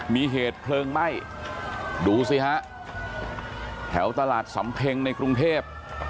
มีเหตุเพลิงไหม้ดูสิฮะแถวตลาดสำเพ็งในกรุงเทพ